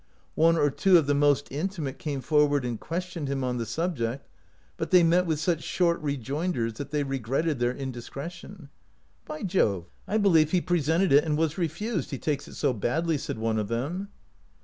One or two of the most in timate came forward and questioned him on the subject, but they met with such short rejoinders that they regretted their indiscre tion. "By Jove! I believe he presented it and was refused, he takes it so badly," said one of them.